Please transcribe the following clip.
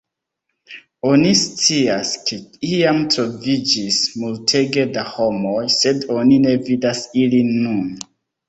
Oni scias ke iam troviĝis multege da homoj, sed oni ne vidas ilin nun.